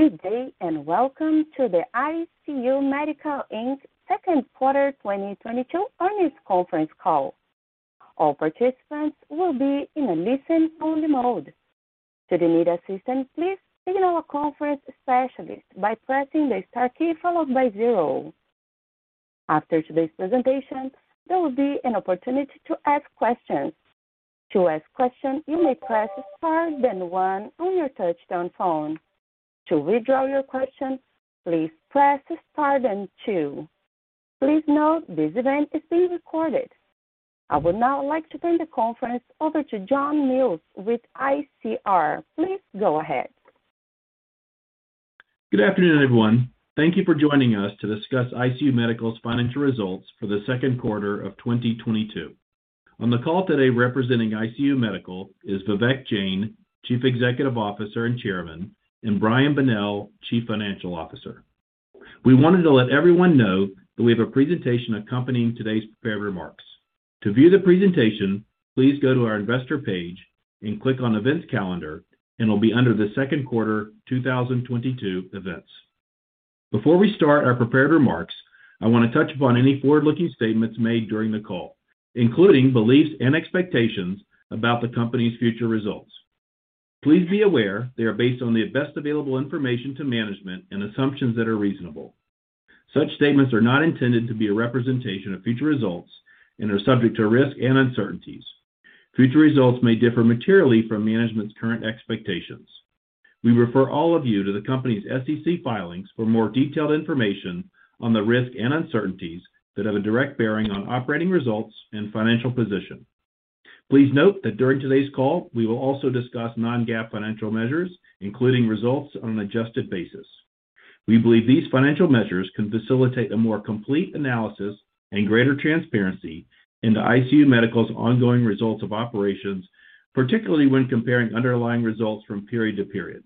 Good day, and welcome to the ICU Medical, Inc.'s second quarter 2022 earnings conference call. All participants will be in a listen-only mode. Should you need assistance, please signal a conference specialist by pressing the star key followed by zero. After today's presentation, there will be an opportunity to ask questions. To ask questions, you may press star then one on your touchtone phone. To withdraw your question, please press star then two. Please note this event is being recorded. I would now like to turn the conference over to John Mills with ICR. Please go ahead. Good afternoon, everyone. Thank you for joining us to discuss ICU Medical's financial results for the second quarter of 2022. On the call today representing ICU Medical is Vivek Jain, Chief Executive Officer and Chairman, and Brian Bonnell, Chief Financial Officer. We wanted to let everyone know that we have a presentation accompanying today's prepared remarks. To view the presentation, please go to our investor page and click on Events Calendar, and it'll be under the second quarter 2022 events. Before we start our prepared remarks, I wanna touch upon any forward-looking statements made during the call, including beliefs and expectations about the company's future results. Please be aware they are based on the best available information to management and assumptions that are reasonable. Such statements are not intended to be a representation of future results and are subject to risk and uncertainties. Future results may differ materially from management's current expectations. We refer all of you to the company's SEC filings for more detailed information on the risk and uncertainties that have a direct bearing on operating results and financial position. Please note that during today's call, we will also discuss non-GAAP financial measures, including results on an adjusted basis. We believe these financial measures can facilitate a more complete analysis and greater transparency into ICU Medical's ongoing results of operations, particularly when comparing underlying results from period to period.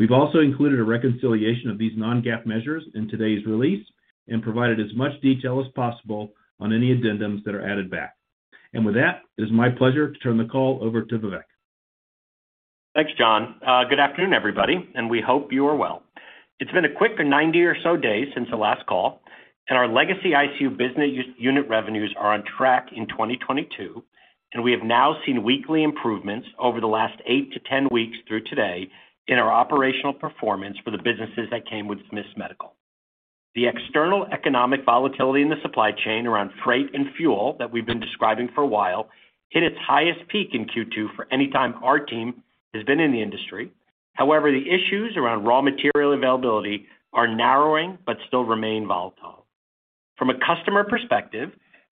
We've also included a reconciliation of these non-GAAP measures in today's release and provided as much detail as possible on any addendums that are added back. With that, it is my pleasure to turn the call over to Vivek. Thanks, John. Good afternoon, everybody, and we hope you are well. It's been a quick 90 or so days since the last call, and our legacy ICU business unit revenues are on track in 2022, and we have now seen weekly improvements over the last eight to 10 weeks through today in our operational performance for the businesses that came with Smiths Medical. The external economic volatility in the supply chain around freight and fuel that we've been describing for a while hit its highest peak in Q2 for any time our team has been in the industry. However, the issues around raw material availability are narrowing but still remain volatile. From a customer perspective,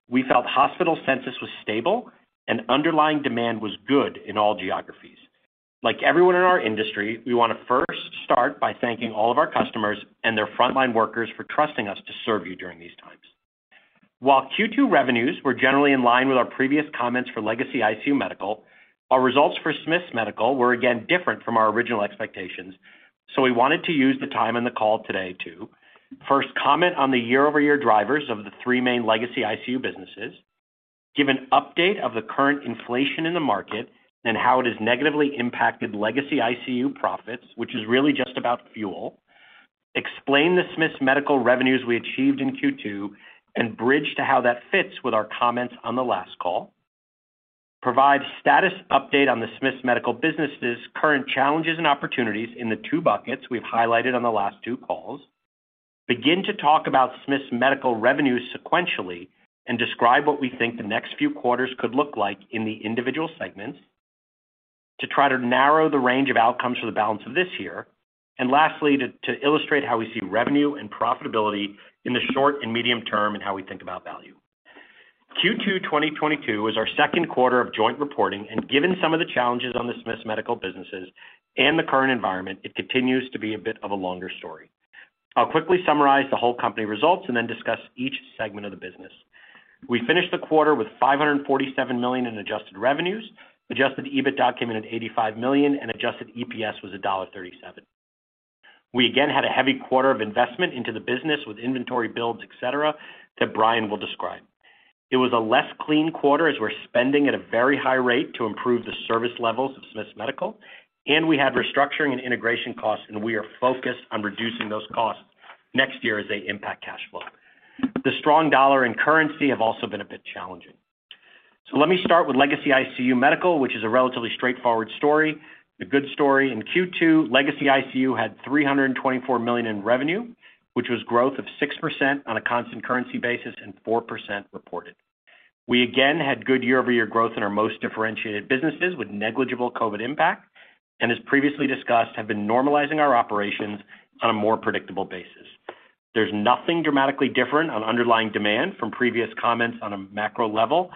we felt hospital census was stable and underlying demand was good in all geographies. Like everyone in our industry, we wanna first start by thanking all of our customers and their frontline workers for trusting us to serve you during these times. While Q2 revenues were generally in line with our previous comments for legacy ICU Medical, our results for Smiths Medical were again different from our original expectations, so we wanted to use the time on the call today to, first, comment on the year-over-year drivers of the three main legacy ICU businesses, give an update of the current inflation in the market and how it has negatively impacted legacy ICU profits, which is really just about fuel, explain the Smiths Medical revenues we achieved in Q2 and bridge to how that fits with our comments on the last call, provide status update on the Smiths Medical businesses' current challenges and opportunities in the two buckets we've highlighted on the last two calls. Begin to talk about Smiths Medical revenues sequentially and describe what we think the next few quarters could look like in the individual segments to try to narrow the range of outcomes for the balance of this year. Lastly, to illustrate how we see revenue and profitability in the short and medium term, and how we think about value. Q2 2022 is our second quarter of joint reporting, and given some of the challenges on the Smiths Medical businesses and the current environment, it continues to be a bit of a longer story. I'll quickly summarize the whole company results and then discuss each segment of the business. We finished the quarter with $547 million in adjusted revenues. Adjusted EBITDA came in at $85 million, and adjusted EPS was $1.37. We again had a heavy quarter of investment into the business with inventory builds, et cetera, that Brian will describe. It was a less clean quarter as we're spending at a very high rate to improve the service levels of Smiths Medical, and we had restructuring and integration costs, and we are focused on reducing those costs next year as they impact cash flow. The strong dollar and currency have also been a bit challenging. Let me start with legacy ICU Medical, which is a relatively straightforward story, a good story. In Q2, legacy ICU had $324 million in revenue, which was growth of 6% on a constant currency basis and 4% reported. We again had good year-over-year growth in our most differentiated businesses with negligible COVID impact, and as previously discussed, have been normalizing our operations on a more predictable basis. There's nothing dramatically different on underlying demand from previous comments on a macro level.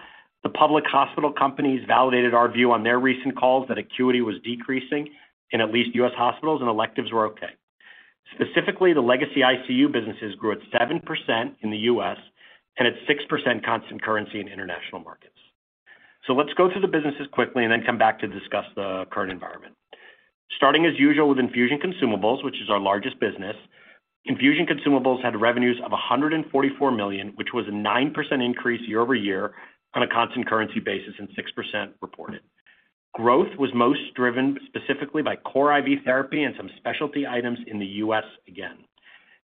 The public hospital companies validated our view on their recent calls that acuity was decreasing in at least U.S. hospitals and electives were okay. Specifically, the legacy ICU businesses grew at 7% in the U.S. and at 6% constant currency in international markets. Let's go through the businesses quickly and then come back to discuss the current environment. Starting as usual with Infusion Consumables, which is our largest business. Infusion Consumables had revenues of $144 million, which was a 9% increase year-over-year on a constant currency basis, and 6% reported. Growth was most driven specifically by core IV therapy and some specialty items in the U.S. again.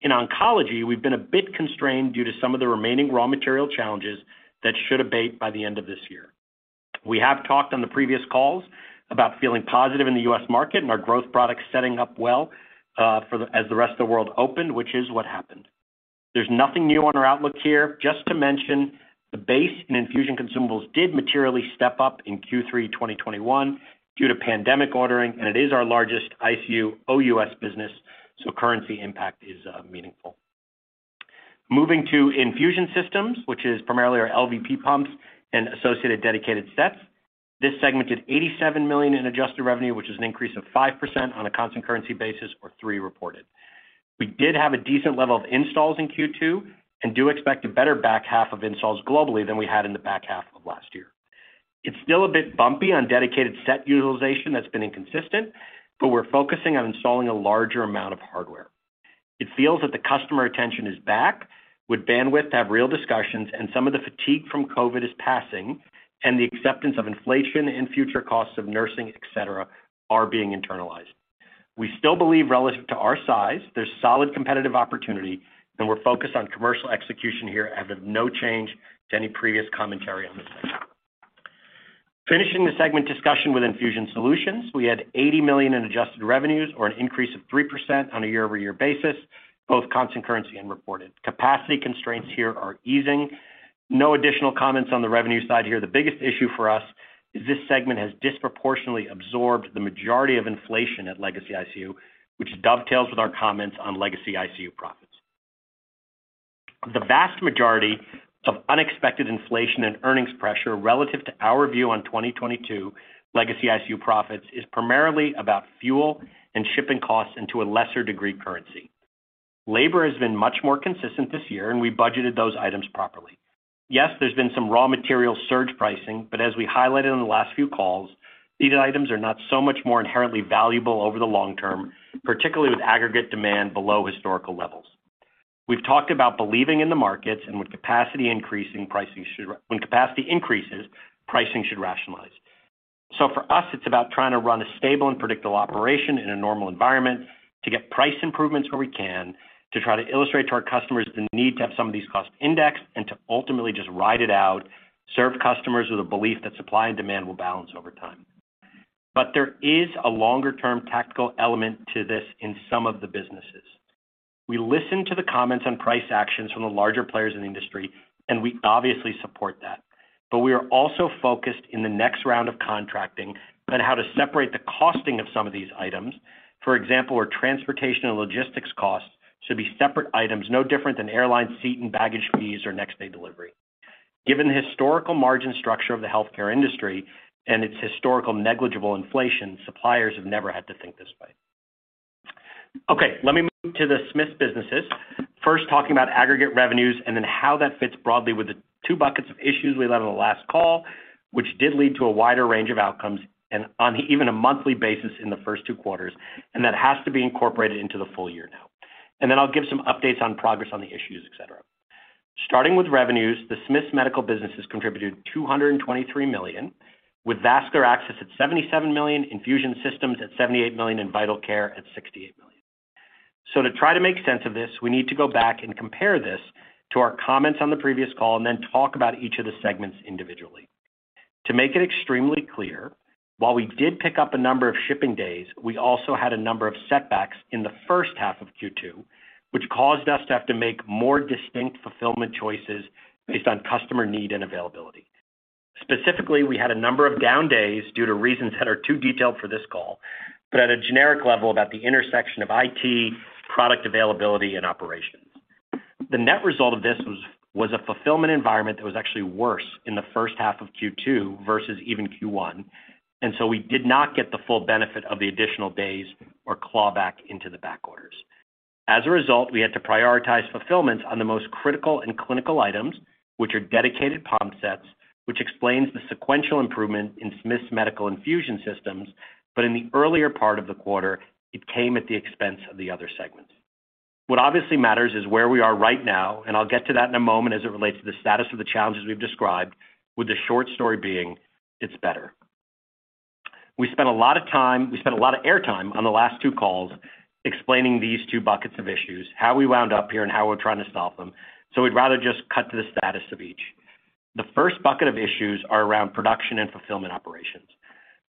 In oncology, we've been a bit constrained due to some of the remaining raw material challenges that should abate by the end of this year. We have talked on the previous calls about feeling positive in the U.S. market, and our growth products setting up well, as the rest of the world opened, which is what happened. There's nothing new on our outlook here. Just to mention, the base and Infusion Consumables did materially step up in Q3 2021 due to pandemic ordering, and it is our largest ICU OUS business, so currency impact is meaningful. Moving to Infusion Systems, which is primarily our LVP pumps and associated dedicated sets. This segment did $87 million in adjusted revenue, which is an increase of 5% on a constant currency basis or 3% reported. We did have a decent level of installs in Q2, and do expect a better back half of installs globally than we had in the back half of last year. It's still a bit bumpy on dedicated set utilization that's been inconsistent, but we're focusing on installing a larger amount of hardware. It feels that the customer attention is back with bandwidth to have real discussions and some of the fatigue from COVID is passing and the acceptance of inflation and future costs of nursing, et cetera, are being internalized. We still believe relative to our size, there's solid competitive opportunity, and we're focused on commercial execution here as of no change to any previous commentary on this segment. Finishing the segment discussion with Infusion Solutions. We had $80 million in adjusted revenues or an increase of 3% on a year-over-year basis, both constant currency and reported. Capacity constraints here are easing. No additional comments on the revenue side here. The biggest issue for us is this segment has disproportionately absorbed the majority of inflation at legacy ICU, which dovetails with our comments on legacy ICU profits. The vast majority of unexpected inflation and earnings pressure relative to our view on 2022 legacy ICU profits is primarily about fuel and shipping costs, and to a lesser degree, currency. Labor has been much more consistent this year, and we budgeted those items properly. Yes, there's been some raw material surge pricing, but as we highlighted on the last few calls, these items are not so much more inherently valuable over the long term, particularly with aggregate demand below historical levels. We've talked about believing in the markets and with capacity increasing, when capacity increases, pricing should rationalize. For us, it's about trying to run a stable and predictable operation in a normal environment to get price improvements where we can, to try to illustrate to our customers the need to have some of these costs indexed, and to ultimately just ride it out, serve customers with a belief that supply and demand will balance over time. There is a longer-term tactical element to this in some of the businesses. We listen to the comments on price actions from the larger players in the industry, and we obviously support that. We are also focused in the next round of contracting on how to separate the costing of some of these items. For example, where transportation and logistics costs should be separate items, no different than airline seat and baggage fees or next day delivery. Given the historical margin structure of the healthcare industry and its historical negligible inflation, suppliers have never had to think this way. Okay, let me move to the Smiths Medical businesses. First talking about aggregate revenues and then how that fits broadly with the two buckets of issues we led on the last call, which did lead to a wider range of outcomes and on even a monthly basis in the first two quarters. That has to be incorporated into the full year now. Then I'll give some updates on progress on the issues, et cetera. Starting with revenues, the Smiths Medical businesses contributed $223 million, with Vascular Access at $77 million, Infusion Systems at $78 million, and Vital Care at $68 million. To try to make sense of this, we need to go back and compare this to our comments on the previous call and then talk about each of the segments individually. To make it extremely clear, while we did pick up a number of shipping days, we also had a number of setbacks in the first half of Q2, which caused us to have to make more distinct fulfillment choices based on customer need and availability. Specifically, we had a number of down days due to reasons that are too detailed for this call, but at a generic level about the intersection of IT, product availability, and operations. The net result of this was a fulfillment environment that was actually worse in the first half of Q2 versus even Q1, and so we did not get the full benefit of the additional days or clawback into the backorders. As a result, we had to prioritize fulfillments on the most critical and clinical items, which are dedicated pump sets, which explains the sequential improvement in Smiths Medical Infusion Systems. In the earlier part of the quarter, it came at the expense of the other segments. What obviously matters is where we are right now, and I'll get to that in a moment as it relates to the status of the challenges we've described, with the short story being it's better. We spent a lot of airtime on the last two calls explaining these two buckets of issues, how we wound up here, and how we're trying to solve them. We'd rather just cut to the status of each. The first bucket of issues are around production and fulfillment operations.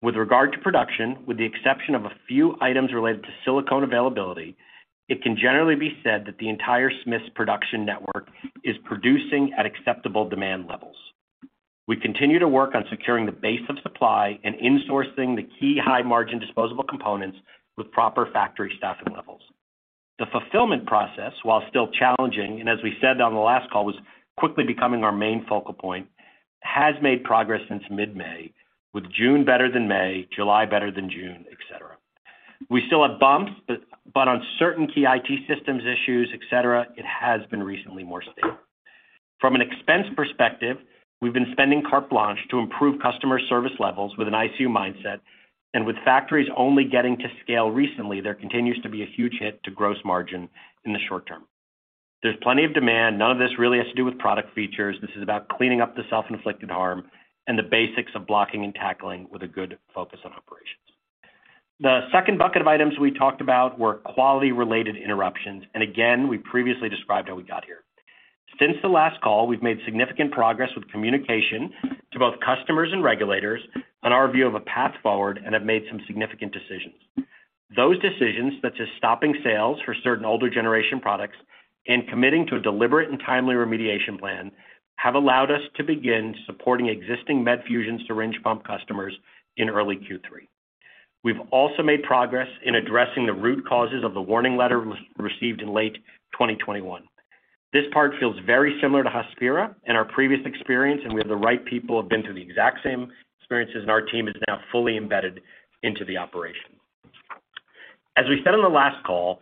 With regard to production, with the exception of a few items related to silicone availability, it can generally be said that the entire Smiths production network is producing at acceptable demand levels. We continue to work on securing the base of supply and insourcing the key high-margin disposable components with proper factory staffing levels. The fulfillment process, while still challenging, and as we said on the last call, was quickly becoming our main focal point, has made progress since mid-May, with June better than May, July better than June, et cetera. We still have bumps, but on certain key IT systems issues, et cetera, it has been recently more stable. From an expense perspective, we've been spending carte blanche to improve customer service levels with an ICU mindset. With factories only getting to scale recently, there continues to be a huge hit to gross margin in the short term. There's plenty of demand. None of this really has to do with product features. This is about cleaning up the self-inflicted harm and the basics of blocking and tackling with a good focus on operations. The second bucket of items we talked about were quality-related interruptions, and again, we previously described how we got here. Since the last call, we've made significant progress with communication to both customers and regulators on our view of a path forward and have made some significant decisions. Those decisions, such as stopping sales for certain older generation products and committing to a deliberate and timely remediation plan, have allowed us to begin supporting existing Medfusion syringe pump customers in early Q3. We've also made progress in addressing the root causes of the warning letter received in late 2021. This part feels very similar to Hospira and our previous experience, and we have the right people who have been through the exact same experiences, and our team is now fully embedded into the operation. As we said on the last call,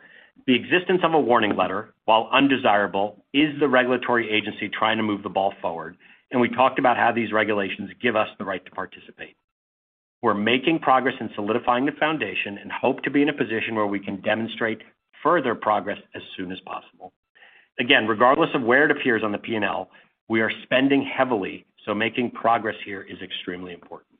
the existence of a warning letter, while undesirable, is the regulatory agency trying to move the ball forward, and we talked about how these regulations give us the right to participate. We're making progress in solidifying the foundation and hope to be in a position where we can demonstrate further progress as soon as possible. Again, regardless of where it appears on the P&L, we are spending heavily, so making progress here is extremely important.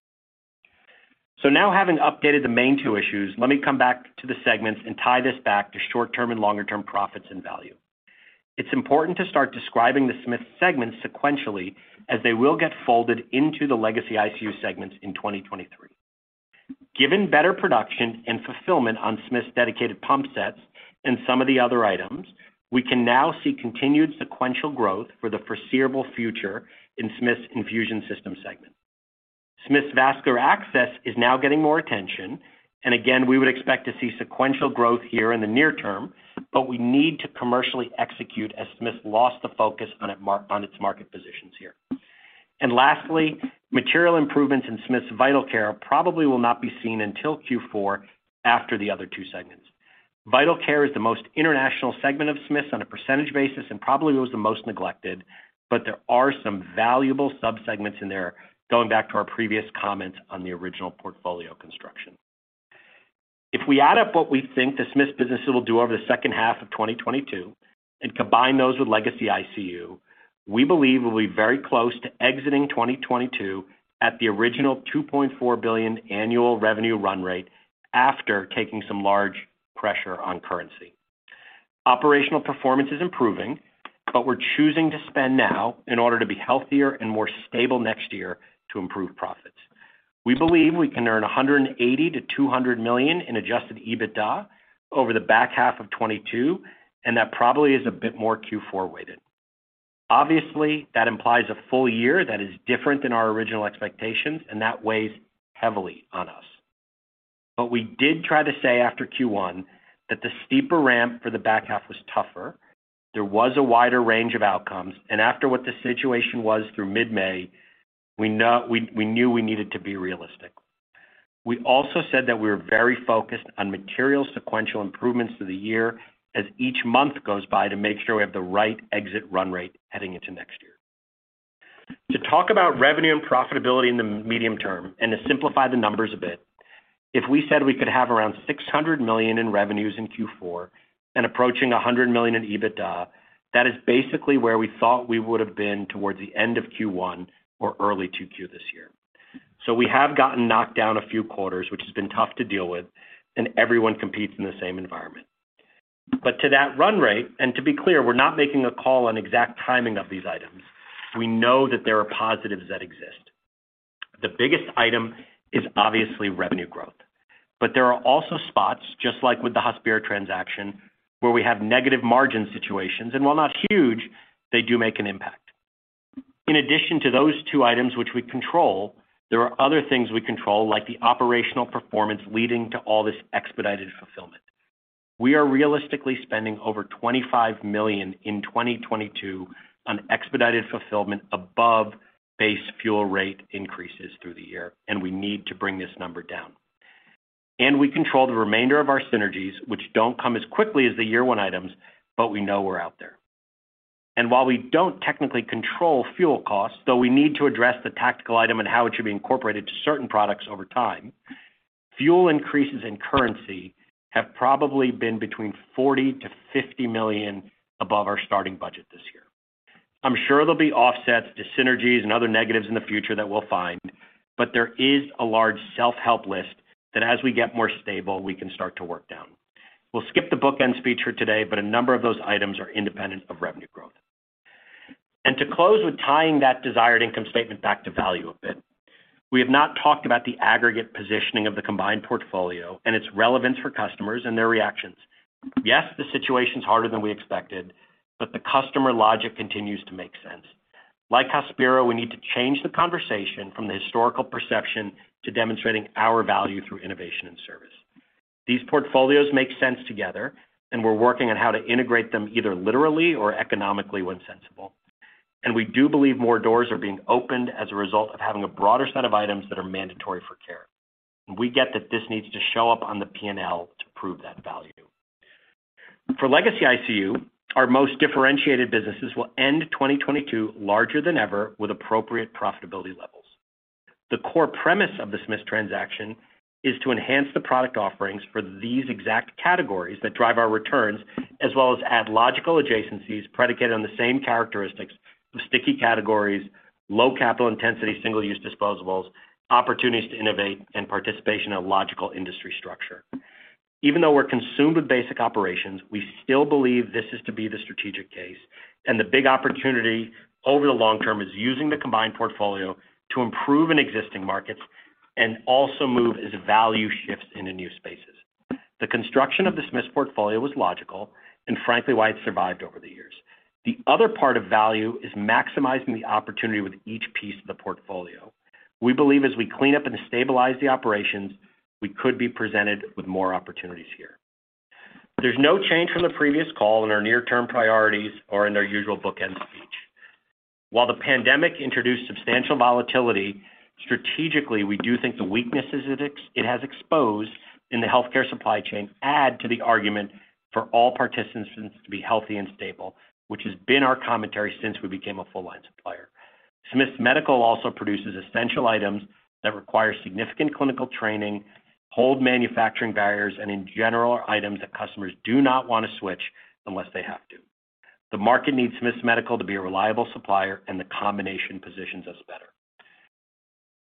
Now having updated the main two issues, let me come back to the segments and tie this back to short-term and longer-term profits and value. It's important to start describing the Smiths segments sequentially as they will get folded into the legacy ICU segments in 2023. Given better production and fulfillment on Smiths's dedicated pump sets and some of the other items, we can now see continued sequential growth for the foreseeable future in Smiths' Infusion Systems segment. Smiths' Vascular Access is now getting more attention, and again, we would expect to see sequential growth here in the near term, but we need to commercially execute as Smiths lost the focus on its market positions here. Lastly, material improvements in Smiths' Vital Care probably will not be seen until Q4 after the other two segments. Vital Care is the most international segment of Smiths on a percentage basis, and probably was the most neglected, but there are some valuable sub-segments in there going back to our previous comments on the original portfolio construction. If we add up what we think the Smiths businesses will do over the second half of 2022 and combine those with legacy ICU, we believe we'll be very close to exiting 2022 at the original $2.4 billion annual revenue run rate after taking some large pressure on currency. Operational performance is improving, but we're choosing to spend now in order to be healthier and more stable next year to improve profits. We believe we can earn $180 million-$200 million in Adjusted EBITDA over the back half of 2022, and that probably is a bit more Q4-weighted. Obviously, that implies a full year that is different than our original expectations, and that weighs heavily on us. We did try to say after Q1 that the steeper ramp for the back half was tougher. There was a wider range of outcomes, and after what the situation was through mid-May, we knew we needed to be realistic. We also said that we were very focused on material sequential improvements to the year as each month goes by to make sure we have the right exit run rate heading into next year. To talk about revenue and profitability in the medium term and to simplify the numbers a bit, if we said we could have around $600 million in revenues in Q4 and approaching $100 million in EBITDA, that is basically where we thought we would've been towards the end of Q1 or early 2Q this year. We have gotten knocked down a few quarters, which has been tough to deal with, and everyone competes in the same environment. To that run rate, and to be clear, we're not making a call on exact timing of these items. We know that there are positives that exist. The biggest item is obviously revenue growth. There are also spots, just like with the Hospira transaction, where we have negative margin situations, and while not huge, they do make an impact. In addition to those two items which we control, there are other things we control, like the operational performance leading to all this expedited fulfillment. We are realistically spending over $25 million in 2022 on expedited fulfillment above base fuel rate increases through the year, and we need to bring this number down. We control the remainder of our synergies, which don't come as quickly as the year one items, but we know we're out there. While we don't technically control fuel costs, though we need to address the tactical item and how it should be incorporated to certain products over time, fuel increases and currency have probably been between $40 million-$50 million above our starting budget this year. I'm sure there'll be offsets to synergies and other negatives in the future that we'll find, but there is a large self-help list that as we get more stable, we can start to work down. We'll skip the bookends feature today, but a number of those items are independent of revenue growth. To close with tying that desired income statement back to value a bit, we have not talked about the aggregate positioning of the combined portfolio and its relevance for customers and their reactions. Yes, the situation's harder than we expected, but the customer logic continues to make sense. Like Hospira, we need to change the conversation from the historical perception to demonstrating our value through innovation and service. These portfolios make sense together, and we're working on how to integrate them either literally or economically when sensible. We do believe more doors are being opened as a result of having a broader set of items that are mandatory for care. We get that this needs to show up on the P&L to prove that value. For legacy ICU, our most differentiated businesses will end 2022 larger than ever with appropriate profitability levels. The core premise of the Smiths transaction is to enhance the product offerings for these exact categories that drive our returns, as well as add logical adjacencies predicated on the same characteristics of sticky categories, low capital intensity, single-use disposables, opportunities to innovate, and participation in a logical industry structure. Even though we're consumed with basic operations, we still believe this is to be the strategic case, and the big opportunity over the long term is using the combined portfolio to improve in existing markets and also move as value shifts into new spaces. The construction of the Smiths portfolio was logical and frankly why it survived over the years. The other part of value is maximizing the opportunity with each piece of the portfolio. We believe as we clean up and stabilize the operations, we could be presented with more opportunities here. There's no change from the previous call in our near-term priorities or in our usual bookend speech. While the pandemic introduced substantial volatility, strategically, we do think the weaknesses it has exposed in the healthcare supply chain add to the argument for all participants to be healthy and stable, which has been our commentary since we became a full line supplier. Smiths Medical also produces essential items that require significant clinical training, hold manufacturing barriers, and in general are items that customers do not want to switch unless they have to. The market needs Smiths Medical to be a reliable supplier, and the combination positions us better.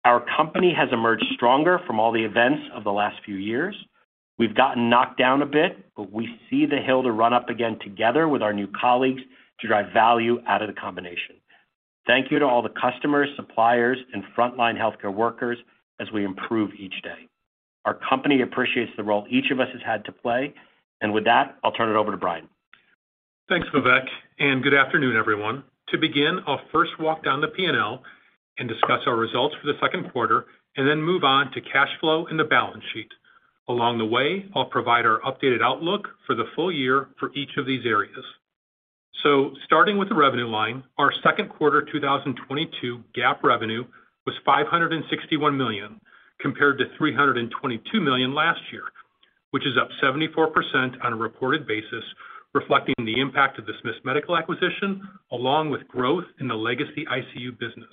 Our company has emerged stronger from all the events of the last few years. We've gotten knocked down a bit, but we see the hill to run up again together with our new colleagues to drive value out of the combination. Thank you to all the customers, suppliers, and frontline healthcare workers as we improve each day. Our company appreciates the role each of us has had to play. With that, I'll turn it over to Brian. Thanks, Vivek, and good afternoon, everyone. To begin, I'll first walk down the P&L and discuss our results for the second quarter, and then move on to cash flow and the balance sheet. Along the way, I'll provide our updated outlook for the full year for each of these areas. Starting with the revenue line, our second quarter 2022 GAAP revenue was $561 million, compared to $322 million last year, which is up 74% on a reported basis, reflecting the impact of the Smiths Medical acquisition, along with growth in the legacy ICU business.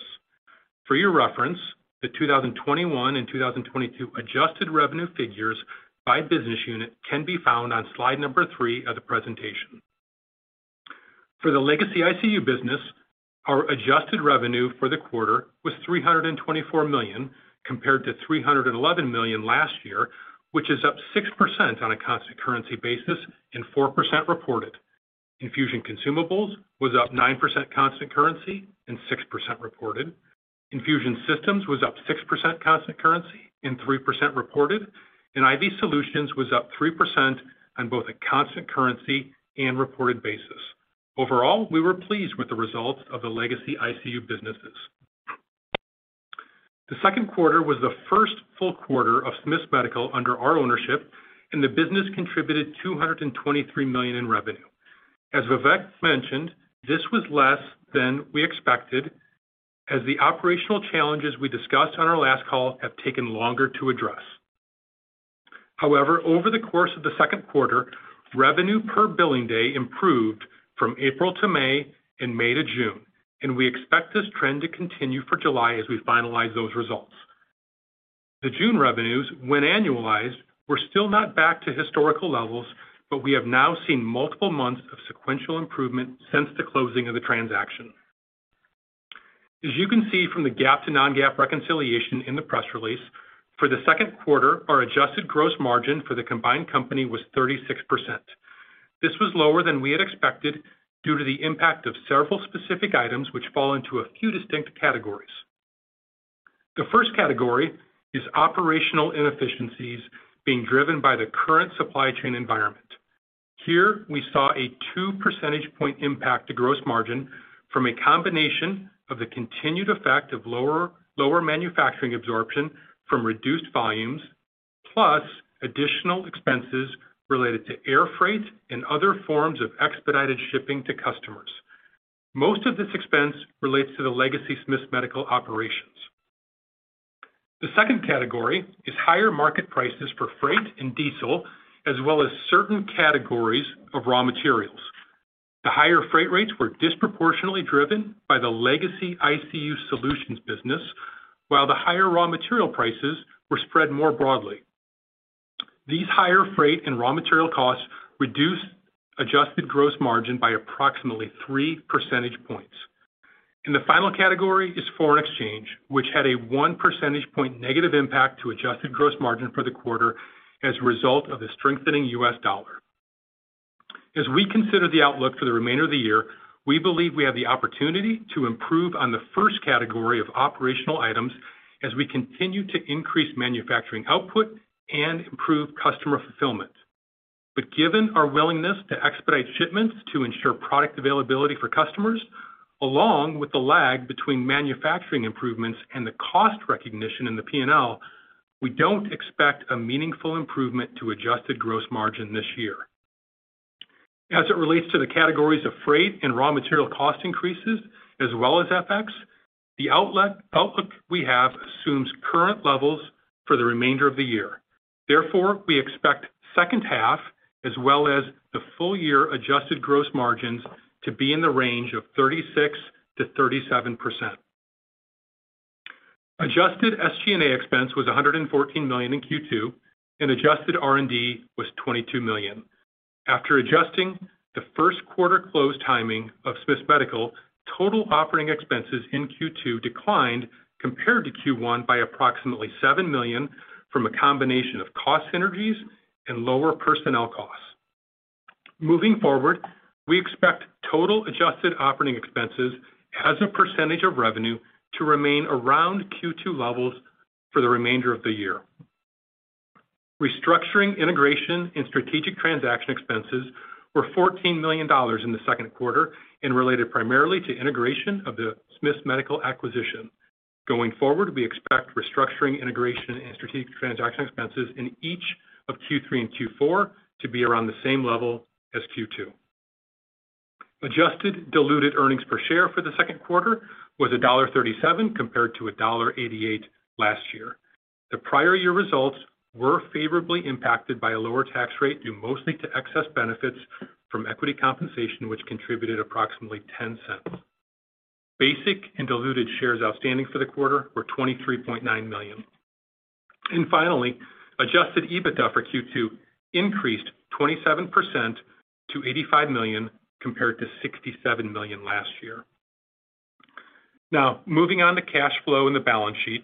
For your reference, the 2021 and 2022 adjusted revenue figures by business unit can be found on slide three of the presentation. For the legacy ICU Medical business, our adjusted revenue for the quarter was $324 million, compared to $311 million last year, which is up 6% on a constant currency basis and 4% reported. Infusion Consumables was up 9% constant currency and 6% reported. Infusion Systems was up 6% constant currency and 3% reported, and IV Solutions was up 3% on both a constant currency and reported basis. Overall, we were pleased with the results of the legacy ICU Medical businesses. The second quarter was the first full quarter of Smiths Medical under our ownership, and the business contributed $223 million in revenue. As Vivek mentioned, this was less than we expected, as the operational challenges we discussed on our last call have taken longer to address. However, over the course of the second quarter, revenue per billing day improved from April to May and May to June, and we expect this trend to continue for July as we finalize those results. The June revenues, when annualized, were still not back to historical levels, but we have now seen multiple months of sequential improvement since the closing of the transaction. As you can see from the GAAP to non-GAAP reconciliation in the press release, for the second quarter, our adjusted gross margin for the combined company was 36%. This was lower than we had expected due to the impact of several specific items which fall into a few distinct categories. The first category is operational inefficiencies being driven by the current supply chain environment. Here, we saw a 2 percentage point impact to gross margin from a combination of the continued effect of lower manufacturing absorption from reduced volumes, plus additional expenses related to air freight and other forms of expedited shipping to customers. Most of this expense relates to the legacy Smiths Medical operations. The second category is higher market prices for freight and diesel, as well as certain categories of raw materials. The higher freight rates were disproportionately driven by the legacy ICU solutions business, while the higher raw material prices were spread more broadly. These higher freight and raw material costs reduced adjusted gross margin by approximately 3 percentage points. The final category is foreign exchange, which had a 1 percentage point negative impact to adjusted gross margin for the quarter as a result of the strengthening U.S. dollar. As we consider the outlook for the remainder of the year, we believe we have the opportunity to improve on the first category of operational items as we continue to increase manufacturing output and improve customer fulfillment. Given our willingness to expedite shipments to ensure product availability for customers, along with the lag between manufacturing improvements and the cost recognition in the P&L, we don't expect a meaningful improvement to adjusted gross margin this year. As it relates to the categories of freight and raw material cost increases, as well as FX, the outlook we have assumes current levels for the remainder of the year. Therefore, we expect second half as well as the full year adjusted gross margins to be in the range of 36%-37%. Adjusted SG&A expense was $114 million in Q2, and adjusted R&D was $22 million. After adjusting the first quarter closed timing of Smiths Medical, total operating expenses in Q2 declined compared to Q1 by approximately $7 million from a combination of cost synergies and lower personnel costs. Moving forward, we expect total adjusted operating expenses as a percentage of revenue to remain around Q2 levels for the remainder of the year. Restructuring, integration, and strategic transaction expenses were $14 million in the second quarter and related primarily to integration of the Smiths Medical acquisition. Going forward, we expect restructuring integration and strategic transaction expenses in each of Q3 and Q4 to be around the same level as Q2. Adjusted diluted earnings per share for the second quarter was $1.37, compared to $1.88 last year. The prior year results were favorably impacted by a lower tax rate, due mostly to excess benefits from equity compensation, which contributed approximately $0.10. Basic and diluted shares outstanding for the quarter were 23.9 million. Finally, Adjusted EBITDA for Q2 increased 27% to $85 million, compared to $67 million last year. Now, moving on to cash flow and the balance sheet.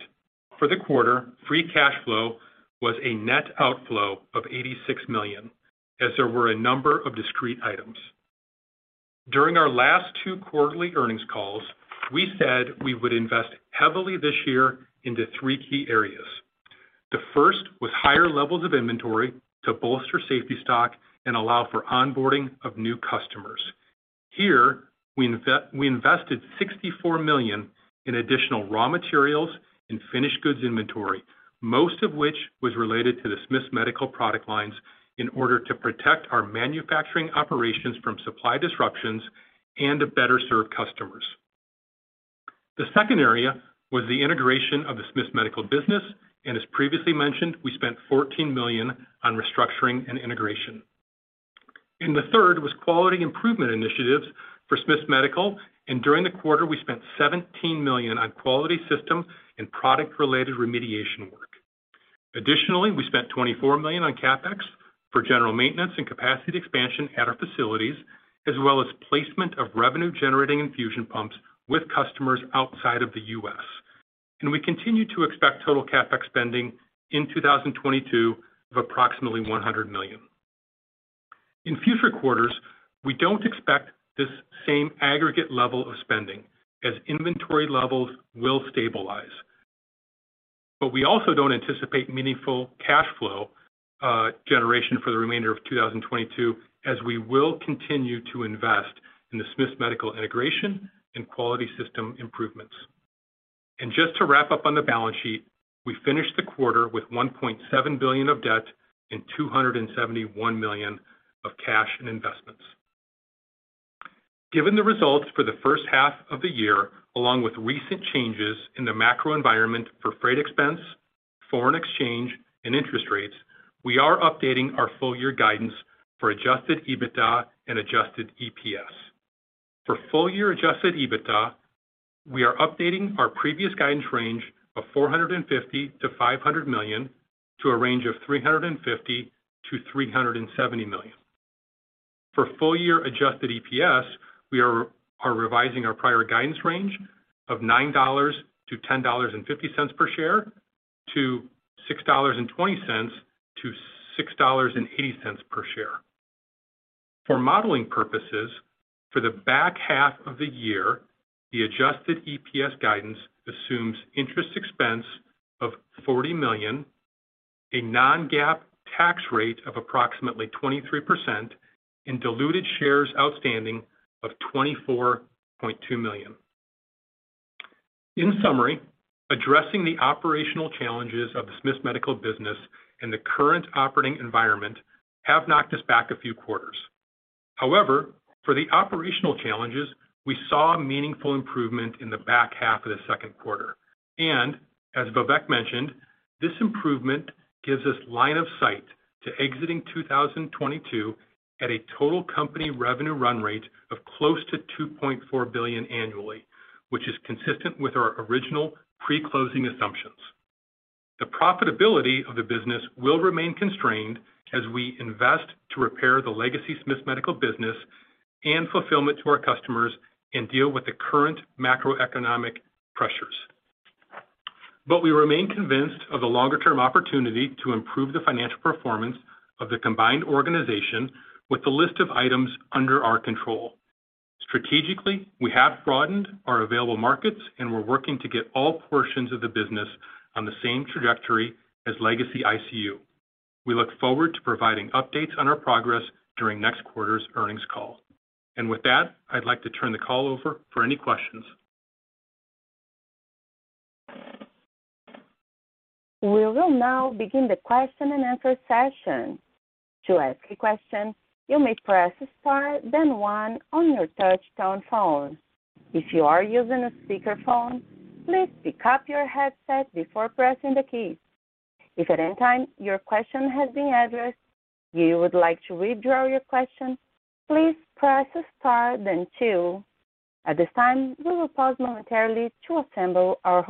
For the quarter, free cash flow was a net outflow of $86 million, as there were a number of discrete items. During our last two quarterly earnings calls, we said we would invest heavily this year into three key areas. The first was higher levels of inventory to bolster safety stock and allow for onboarding of new customers. Here, we invested $64 million in additional raw materials and finished goods inventory, most of which was related to the Smiths Medical product lines, in order to protect our manufacturing operations from supply disruptions and to better serve customers. The second area was the integration of the Smiths Medical business, and as previously mentioned, we spent $14 million on restructuring and integration. The third was quality improvement initiatives for Smiths Medical, and during the quarter we spent $17 million on quality system and product-related remediation work. Additionally, we spent $24 million on CapEx for general maintenance and capacity expansion at our facilities, as well as placement of revenue-generating infusion pumps with customers outside of the U.S. We continue to expect total CapEx spending in 2022 of approximately $100 million. In future quarters, we don't expect this same aggregate level of spending as inventory levels will stabilize. We also don't anticipate meaningful cash flow generation for the remainder of 2022, as we will continue to invest in the Smiths Medical integration and quality system improvements. Just to wrap up on the balance sheet, we finished the quarter with $1.7 billion of debt and $271 million of cash and investments. Given the results for the first half of the year, along with recent changes in the macro environment for freight expense, foreign exchange, and interest rates, we are updating our full year guidance for Adjusted EBITDA and adjusted EPS. For full year Adjusted EBITDA, we are updating our previous guidance range of $450 million-$500 million to a range of $350 million-$370 million. For full year adjusted EPS, we are revising our prior guidance range of $9-$10.50 per share to $6.20-$6.80 per share. For modeling purposes, for the back half of the year, the adjusted EPS guidance assumes interest expense of $40 million, a non-GAAP tax rate of approximately 23%, and diluted shares outstanding of 24.2 million. In summary, addressing the operational challenges of the Smiths Medical business and the current operating environment have knocked us back a few quarters. However, for the operational challenges, we saw a meaningful improvement in the back half of the second quarter. As Vivek mentioned, this improvement gives us line of sight to exiting 2022 at a total company revenue run rate of close to $2.4 billion annually, which is consistent with our original pre-closing assumptions. The profitability of the business will remain constrained as we invest to repair the legacy Smiths Medical business and fulfillment to our customers and deal with the current macroeconomic pressures. We remain convinced of the longer term opportunity to improve the financial performance of the combined organization with the list of items under our control. Strategically, we have broadened our available markets, and we're working to get all portions of the business on the same trajectory as legacy ICU. We look forward to providing updates on our progress during next quarter's earnings call. With that, I'd like to turn the call over for any questions. We will now begin the question and answer session. To ask a question, you may press star then one on your touch tone phone. If you are using a speakerphone, please pick up your headset before pressing the keys. If at any time your question has been addressed, you would like to withdraw your question, please press star then two. At this time, we will pause momentarily to assemble our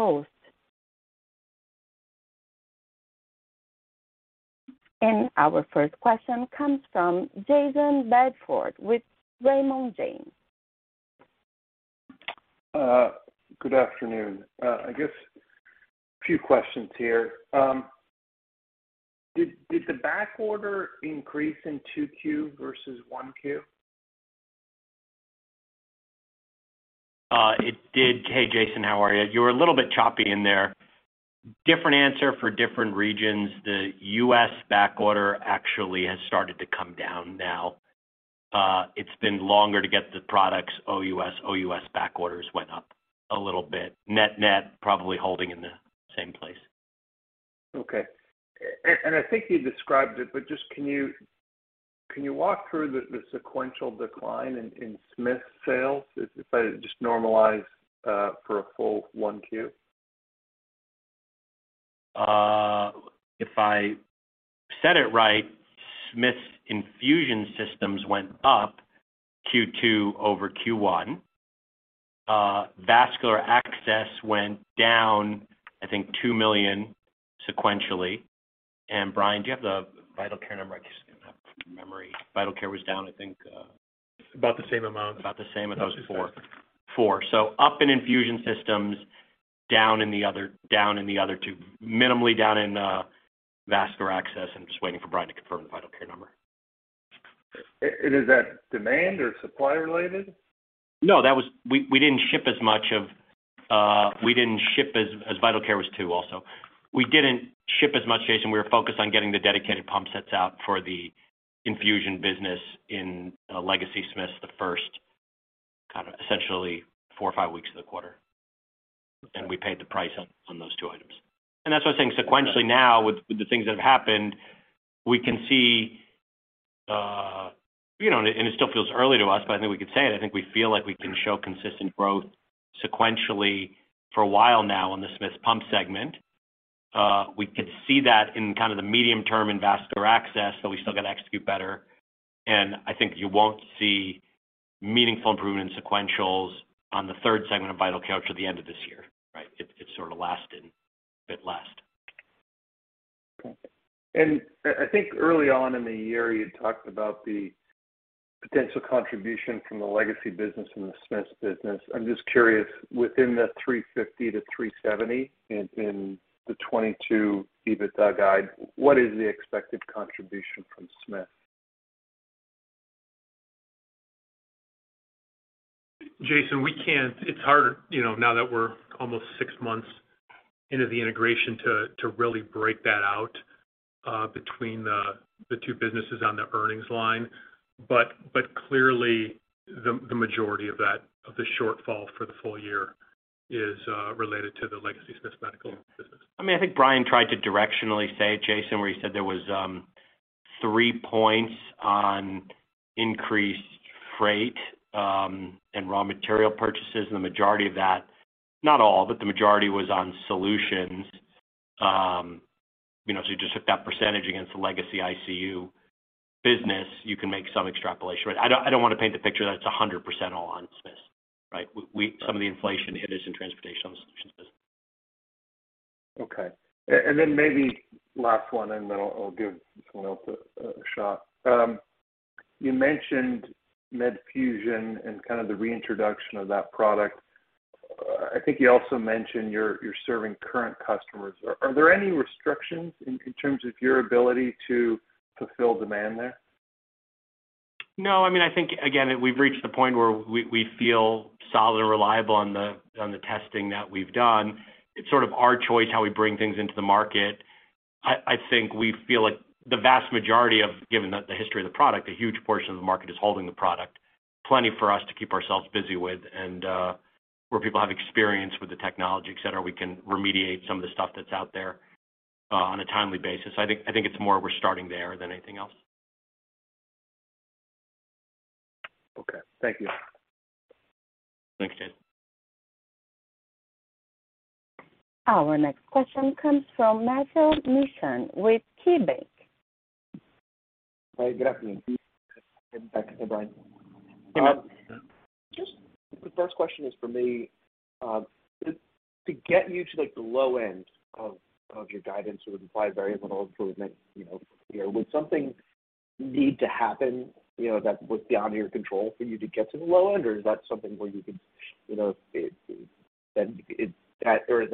host. Our first question comes from Jayson Bedford with Raymond James. Good afternoon. I guess a few questions here. Did the backorder increase in 2Q versus 1Q? It did. Hey, Jayson, how are you? You were a little bit choppy in there. Different answer for different regions. The U.S. back order actually has started to come down now. It's been longer to get the products OUS. OUS back orders went up a little bit. MedNet, probably holding in the same place. I think you described it, but just can you walk through the sequential decline in Smiths' sales if I just normalize for a full 1Q? If I said it right, Smiths infusion systems went up Q2 over Q1. Vascular Access went down, I think $2 million sequentially. Brian, do you have the Vital Care number? I just don't have it from memory. Vital Care was down, I think, About the same amount. About the same. I thought it was four. Four. Up in Infusion Systems, down in the other two. Minimally down in Vascular Access. I'm just waiting for Brian to confirm the Vital Care number. Is that demand or supply related? We didn't ship as Vital Care was too also. We didn't ship as much, Jason. We were focused on getting the dedicated pump sets out for the infusion business in legacy Smiths, the first essentially four or five weeks of the quarter. We paid the price on those two items. That's what I was saying, sequentially now with the things that have happened, we can see, you know, and it still feels early to us, but I think we could say it, I think we feel like we can show consistent growth sequentially for a while now in the Smiths pump segment. We could see that in kind of the medium term in Vascular Access, but we still got to execute better. I think you won't see meaningful improvement in sequentials on the third segment of Vital Care till the end of this year, right? It's sort of lasting a bit less. Okay. I think early on in the year, you talked about the potential contribution from the legacy business and the Smiths business. I'm just curious, within the $350-$370 in the 2022 EBITDA guide, what is the expected contribution from Smith? Jason, it's hard, you know, now that we're almost six months into the integration to really break that out between the two businesses on the earnings line. Clearly the majority of the shortfall for the full year is related to the legacy Smiths Medical business. I mean, I think Brian tried to directionally say, Jayson, where he said there was 3 points on increased freight and raw material purchases. The majority of that, not all, but the majority was on solutions. You know, you just took that percentage against the legacy ICU business, you can make some extrapolation. I don't want to paint the picture that it's 100% all on Smiths, right? Some of the inflation hit us in Infusion Solutions business. Okay. Maybe last one, and then I'll give someone else a shot. You mentioned Medfusion and kind of the reintroduction of that product. I think you also mentioned you're serving current customers. Are there any restrictions in terms of your ability to fulfill demand there? No, I mean, I think again, we've reached the point where we feel solid and reliable on the testing that we've done. It's sort of our choice how we bring things into the market. I think we feel like the vast majority of, given the history of the product, a huge portion of the market is holding the product. Plenty for us to keep ourselves busy with and where people have experience with the technology, et cetera, we can remediate some of the stuff that's out there on a timely basis. I think it's more we're starting there than anything else. Okay. Thank you. Thanks, Jayson. Our next question comes from Matthew Mishan with KeyBanc. Hi. Good afternoon. Back to Brian. Yeah. Just the first question is for me to get you to, like, the low end of your guidance. It would imply very little improvement, you know, here. Would something need to happen, you know, that was beyond your control for you to get to the low end? Or is that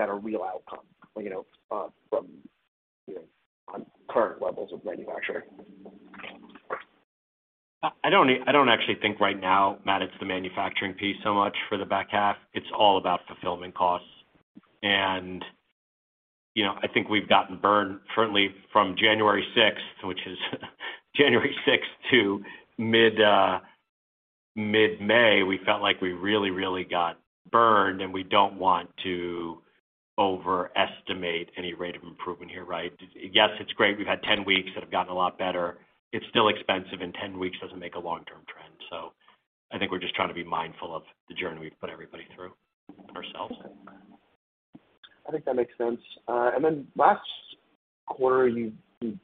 a real outcome, you know, from your current levels of manufacturing? I don't actually think right now, Matt, it's the manufacturing piece so much for the back half. It's all about fulfillment costs. You know, I think we've gotten burned currently from January 6th to mid-April to mid-May. We felt like we really got burned, and we don't want to overestimate any rate of improvement here, right? Yes, it's great. We've had 10 weeks that have gotten a lot better. It's still expensive, and 10 weeks doesn't make a long-term trend. I think we're just trying to be mindful of the journey we've put everybody through, ourselves. I think that makes sense. Last quarter, you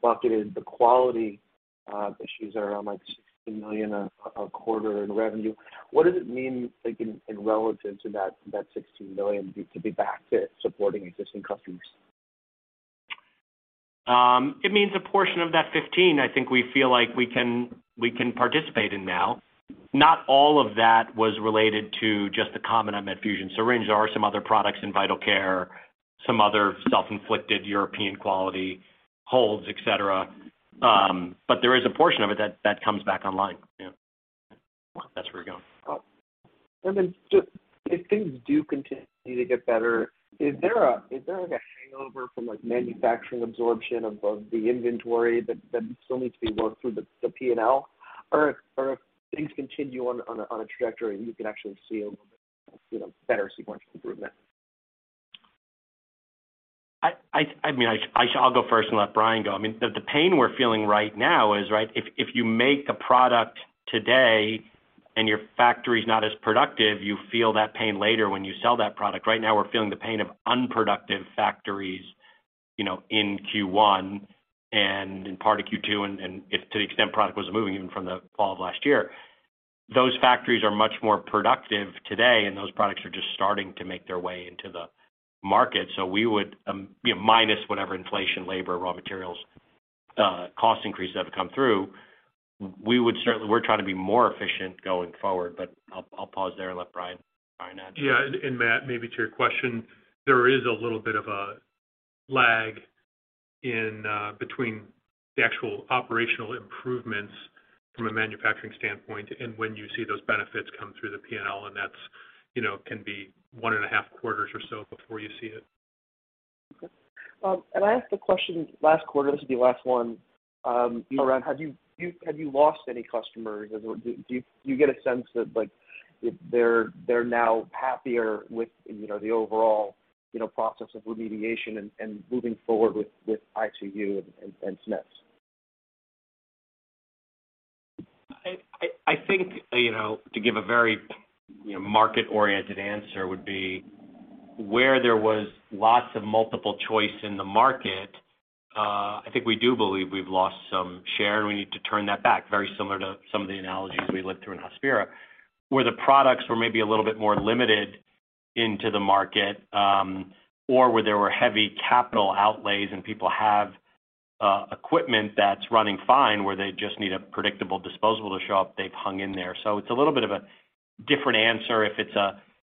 bucketed the quality issues that are around, like, $16 million a quarter in revenue. What does it mean, like, in relation to that $16 million to be back to supporting existing customers? It means a portion of that $15. I think we feel like we can participate in now. Not all of that was related to just the Medfusion syringe. There are some other products in Vital Care, some other self-inflicted European quality holds, et cetera. But there is a portion of it that comes back online. Yeah. That's where we're going. Oh. Just if things do continue to get better, is there, like, a hangover from, like, manufacturing absorption of the inventory that still needs to be worked through the P&L? Or if things continue on a trajectory and you can actually see a, you know, better sequential improvement. I mean, I'll go first and let Brian go. I mean, the pain we're feeling right now is, right, if you make a product today and your factory is not as productive, you feel that pain later when you sell that product. Right now, we're feeling the pain of unproductive factories, you know, in Q1 and in part of Q2 and if to the extent product wasn't moving even from the fall of last year. Those factories are much more productive today, and those products are just starting to make their way into the market. We would, you know, minus whatever inflation, labor, raw materials, cost increases that have come through, we would certainly. We're trying to be more efficient going forward, but I'll pause there and let Brian add to that. Matt, maybe to your question, there is a little bit of a lag in between the actual operational improvements from a manufacturing standpoint and when you see those benefits come through the P&L, and that's, you know, can be one and a half quarters or so before you see it. Okay. I asked the question last quarter, this will be the last one, around have you lost any customers? Or do you get a sense that, like, if they're now happier with, you know, the overall, you know, process of remediation and moving forward with ICU and Smiths? I think, you know, to give a very, you know, market-oriented answer would be where there was lots of multiple choice in the market. I think we do believe we've lost some share, and we need to turn that back, very similar to some of the analogies we lived through in Hospira. Where the products were maybe a little bit more limited into the market, or where there were heavy capital outlays and people have equipment that's running fine, where they just need a predictable disposable to show up, they've hung in there. It's a little bit of a different answer if it's,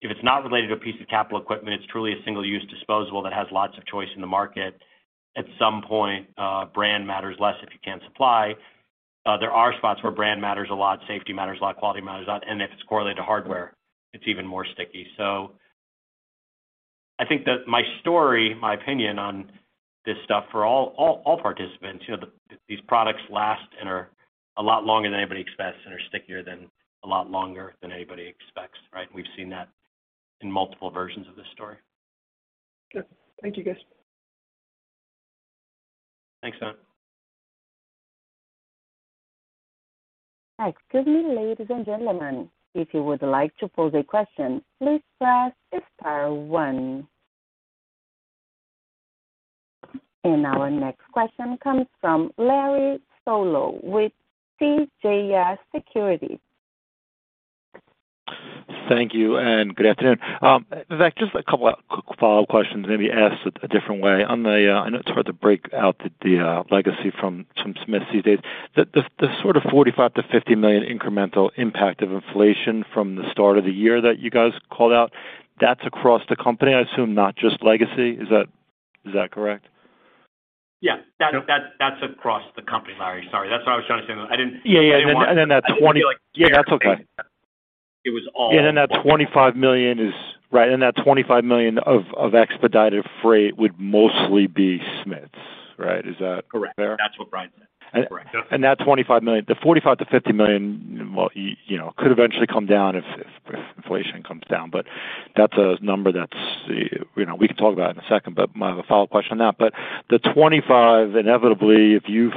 if it's not related to a piece of capital equipment, it's truly a single-use disposable that has lots of choice in the market. At some point, brand matters less if you can't supply. There are spots where brand matters a lot, safety matters a lot, quality matters a lot, and if it's correlated to hardware, it's even more sticky. I think that my story, my opinion on this stuff for all participants, you know, these products last and are a lot longer than anybody expects and are stickier than a lot longer than anybody expects, right? We've seen that in multiple versions of this story. Sure. Thank you, guys. Thanks, Matt. Excuse me, ladies and gentlemen. If you would like to pose a question, please press star one. Our next question comes from Larry Solow with CJS Securities. Thank you, and good afternoon. In fact, just a couple of quick follow-up questions maybe asked a different way. I know it's hard to break out the legacy from Smiths these days. The sort of $45 million-$50 million incremental impact of inflation from the start of the year that you guys called out, that's across the company, I assume, not just legacy. Is that correct? Yeah. Okay. That's across the company, Larry. Sorry. That's what I was trying to say. Yeah, yeah. I didn't want- that 20- I didn't feel like. Yeah, that's okay. It was all- Right, that $25 million of expedited freight would mostly be Smiths, right? Is that fair? Correct. That's what Brian said. Correct. Yeah. That $25 million, the $45 million-$50 million, well, you know, could eventually come down if inflation comes down. That's a number that's, you know, we can talk about in a second, but I have a follow-up question on that. The $25 million, inevitably, if you've,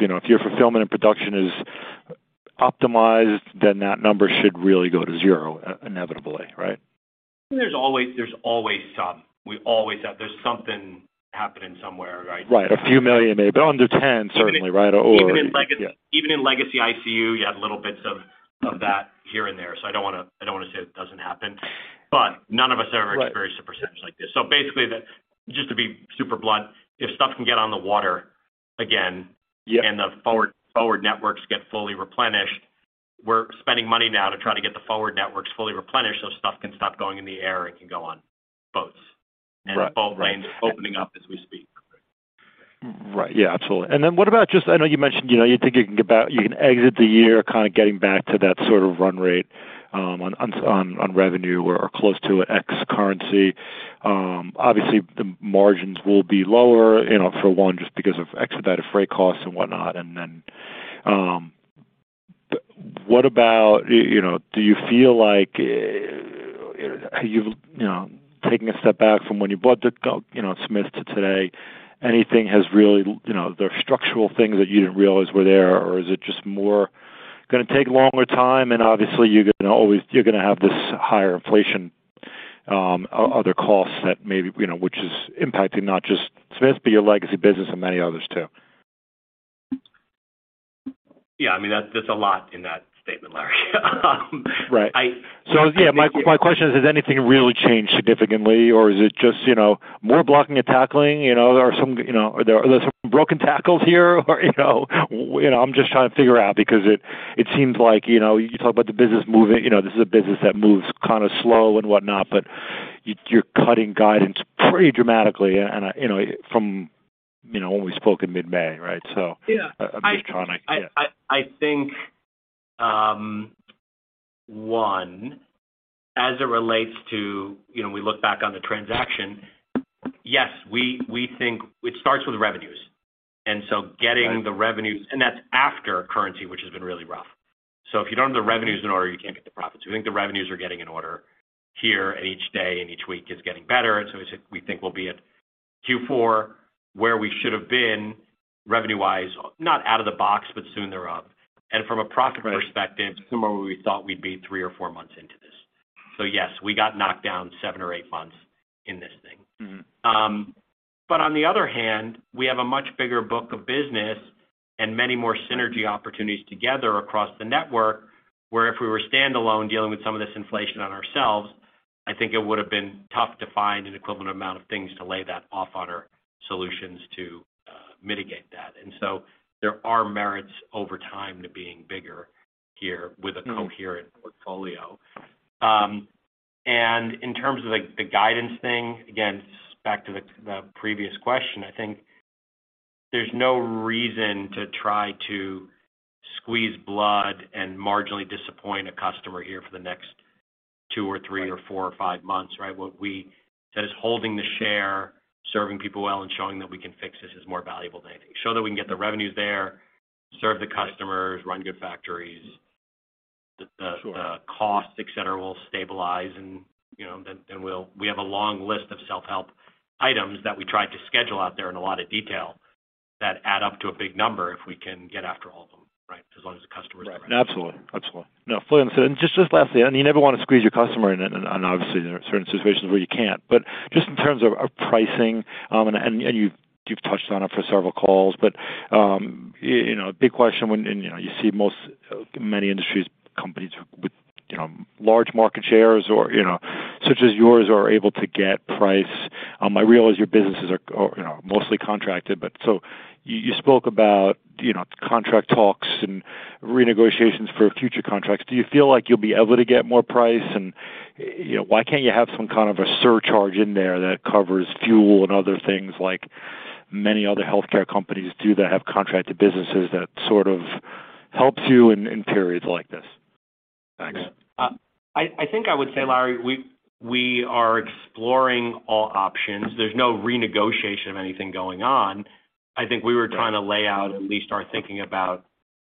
you know, if your fulfillment and production is optimized, then that number should really go to zero inevitably, right? There's always some. We always have. There's something happening somewhere, right? Right. A few million maybe. Under 10, certainly, right? Even in leg- Yeah. Even in legacy ICU, you had little bits of that here and there. I don't wanna say it doesn't happen, but none of us ever experienced a percentage like this. Basically, just to be super blunt, if stuff can get on the water again. Yeah. The forward networks get fully replenished. We're spending money now to try to get the forward networks fully replenished so stuff can stop going in the air and can go on boats. Right. Right. The full range is opening up as we speak. Right. Yeah, absolutely. Then what about. I know you mentioned, you know, you think you can get back. You can exit the year kind of getting back to that sort of run rate on revenue or close to FX currency. Obviously, the margins will be lower, you know, for one, just because of expedited freight costs and whatnot. Then what about, you know, do you feel like, you've, you know, taking a step back from when you bought Smiths Medical to today, anything has really, you know, there are structural things that you didn't realize were there, or is it just more gonna take longer time and obviously you're gonna have this higher inflation, other costs that maybe, you know, which is impacting not just Smiths Medical, but your legacy business and many others too. Yeah. I mean, that there's a lot in that statement, Larry. Right. I- Yeah, my question is, has anything really changed significantly or is it just, you know, more blocking and tackling? You know, there are some, you know, are there some broken tackles here or, you know. You know, I'm just trying to figure out because it seems like, you know, you talk about the business moving, you know, this is a business that moves kinda slow and whatnot, but you're cutting guidance pretty dramatically and, you know, from, you know, when we spoke in mid-May, right? Yeah. Yeah. I think one, as it relates to, you know, we look back on the transaction. Yes, we think it starts with revenues. Getting- Right. The revenues. That's after currency, which has been really rough. If you don't have the revenues in order, you can't get the profits. We think the revenues are getting in order here, and each day and each week is getting better. We think we'll be at Q4, where we should have been revenue-wise, not out of the box, but soon thereof. From a profit perspective. Right. Similar where we thought we'd be three or four months into this. Yes, we got knocked down seven or eight months in this thing. Mm-hmm. On the other hand, we have a much bigger book of business and many more synergy opportunities together across the network, where if we were standalone dealing with some of this inflation on ourselves, I think it would have been tough to find an equivalent amount of things to lay that off on our solutions to, mitigate that. There are merits over time to being bigger here with a coherent portfolio. In terms of, like, the guidance thing, again, back to the previous question, I think there's no reason to try to squeeze blood and marginally disappoint a customer here for the next two or three or four or five months, right? That is holding the share, serving people well, and showing that we can fix this is more valuable than anything. Show that we can get the revenues there, serve the customers, run good factories. Sure. The costs, et cetera, will stabilize and, you know, then we'll have a long list of self-help items that we tried to schedule out there in a lot of detail that add up to a big number if we can get after all of them, right? As long as the customers are right. Absolutely. No, fully understood. Just lastly, I mean, you never wanna squeeze your customer and obviously, there are certain situations where you can't. Just in terms of pricing, and you've touched on it for several calls, but you know, big question when, and you know, you see many industries, companies with, you know, large market shares or, you know, such as yours are able to get price. I realize your businesses are, you know, mostly contracted, but so you spoke about, you know, contract talks and renegotiations for future contracts. Do you feel like you'll be able to get more price? You know, why can't you have some kind of a surcharge in there that covers fuel and other things like many other healthcare companies do that have contracted businesses that sort of helps you in periods like this? Thanks. Yeah. I think I would say, Larry, we are exploring all options. There's no renegotiation of anything going on. I think we were trying to lay out at least our thinking about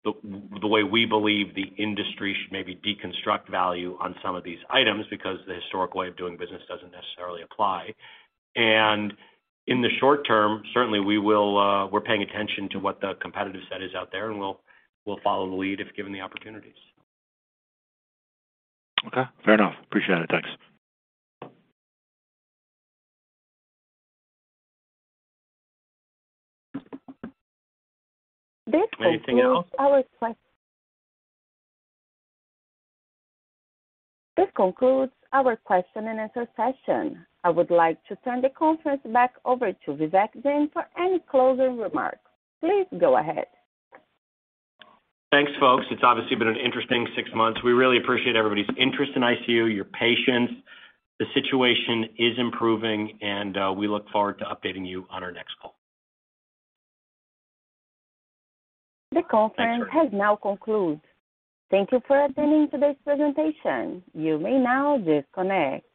the way we believe the industry should maybe deconstruct value on some of these items because the historic way of doing business doesn't necessarily apply. In the short term, certainly we will, we're paying attention to what the competitive set is out there, and we'll follow the lead if given the opportunities. Okay. Fair enough. Appreciate it. Thanks. This concludes our question and answer session. I would like to turn the conference back over to Vivek Jain for any closing remarks. Please go ahead. Thanks, folks. It's obviously been an interesting six months. We really appreciate everybody's interest in ICU, your patience. The situation is improving, and we look forward to updating you on our next call. The conference- Thanks, Sharon. Has now concluded. Thank you for attending today's presentation. You may now disconnect.